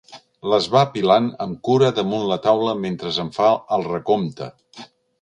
Les va apilant amb cura damunt la taula mentre en fa el recompte.